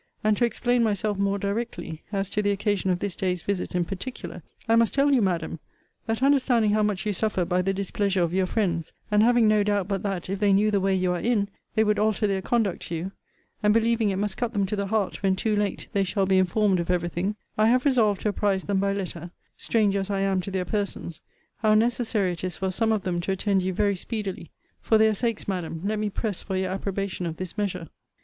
And, to explain myself more directly, as to the occasion of this day's visit in particular, I must tell you, Madam, that, understanding how much you suffer by the displeasure of your friends; and having no doubt but that, if they knew the way you are in, they would alter their conduct to you; and believing it must cut them to the heart, when too late, they shall be informed of every thing; I have resolved to apprize them by letter (stranger as I am to their persons) how necessary it is for some of them to attend you very speedily. For their sakes, Madam, let me press for your approbation of this measure.